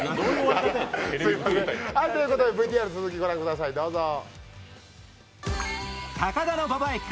ＶＴＲの続きご覧ください、どうぞ。